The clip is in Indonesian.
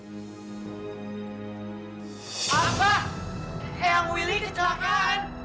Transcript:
apa yang willy kecelakaan